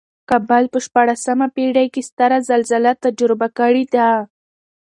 کابل په شپاړسمه پېړۍ کې ستره زلزله تجربه کړې ده.